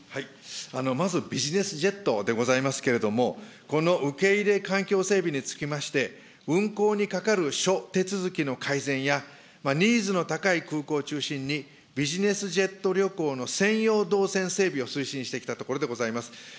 まずビジネスジェットでございますけれども、この受け入れ環境整備につきまして、運航にかかる諸手続きの改善や、ニーズの高い空港を中心にビジネスジェット旅行の専用動線整備を推進してきたところでございます。